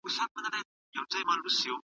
کمپيوټر ويډيو کال د کورنۍ سره کوي.